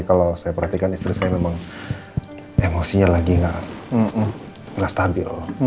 kalau saya perhatikan istri saya memang emosinya lagi nggak stabil